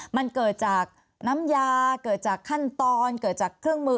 มันเกิดจากน้ำยาเกิดจากขั้นตอนเกิดจากเครื่องมือ